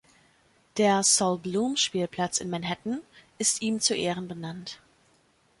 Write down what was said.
Der Sol Bloom-Spielplatz in Manhattan ist ihm zu Ehren benannt.